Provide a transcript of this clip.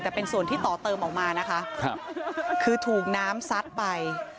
แต่เป็นส่วนที่ต่อเติมออกมานะคะครับคือถูกน้ำซัดไป